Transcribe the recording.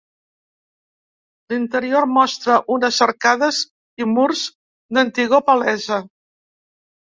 L'interior mostra unes arcades i murs d'antigor palesa.